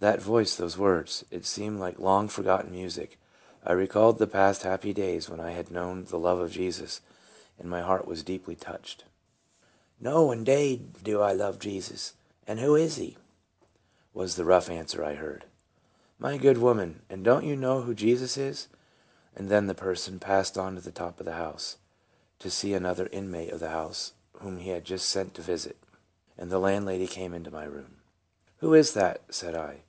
That voice those words ! It seemed like long forgotten music. It recalled the past happy days when I had known the love of Jesus, and my heart was deeply touched. 48 TRANSFORMED. " No, indade, do I love Jesus ; and who is he ?" was the rough answer I heard. " My good woman, and do n't you know who Jesus is ?" and then the person passed on to the top of the house, to see another inmate of the house, whom he had been sent to visit, and the landlady came into my room. " Who is that ?" said I.